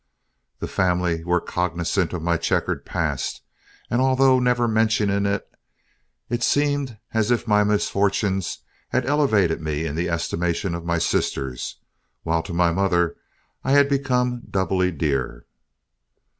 The family were cognizant of my checkered past, and although never mentioning it, it seemed as if my misfortunes had elevated me in the estimation of my sisters, while to my mother I had become doubly dear.